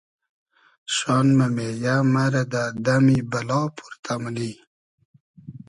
شان مۂ مېیۂ مرۂ دۂ دئمی بئلا پۉرتۂ مونی